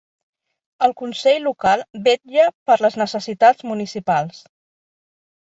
El consell local vetlla per les necessitats municipals.